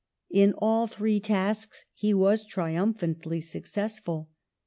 In all three tasks he was triumphantly successful.